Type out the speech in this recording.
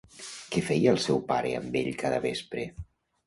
Què feia el seu pare amb ell cada vespre?